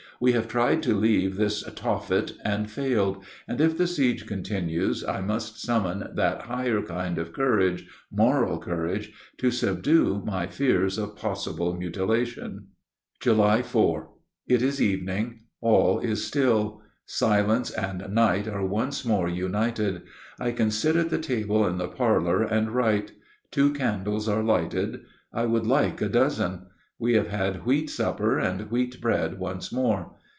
We have tried to leave this Tophet and failed, and if the siege continues I must summon that higher kind of courage moral bravery to subdue my fears of possible mutilation. July 4. It is evening. All is still. Silence and night are once more united. I can sit at the table in the parlor and write. Two candles are lighted. I would like a dozen. We have had wheat supper and wheat bread once more.